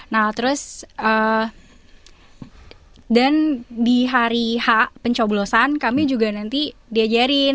nah terus dan di hari h pencoblosan kami juga nanti diajarin